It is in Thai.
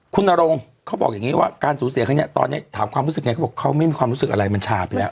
คุณนรงเขาบอกอย่างนี้ว่าการสูญเสียครั้งนี้ตอนนี้ถามความรู้สึกไงเขาบอกเขาไม่มีความรู้สึกอะไรมันชาไปแล้ว